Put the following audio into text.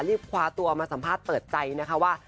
คว้าตัวมาสัมภาษณ์เปิดใจนะคะว่า